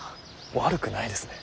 悪くないですね。